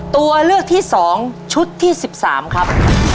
ตัวเลือกที่๒ชุดที่๑๓ครับ